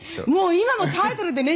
今もタイトルでね